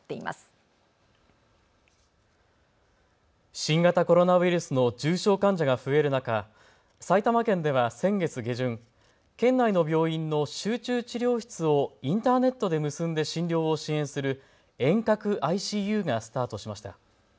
新型コロナウイルスの重症患者が増える中、埼玉県では先月下旬、県内の病院の集中治療室をインターネットで結んで診療を支援する遠隔ＩＣＵがスタートしました。